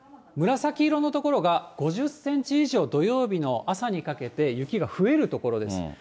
紫色の所が５０センチ以上、土曜日の朝にかけて雪が増える所です。